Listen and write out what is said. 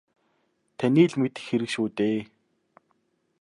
Таны л мэдэх хэрэг шүү дээ.